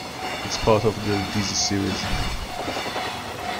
It's part of the "Dizzy series".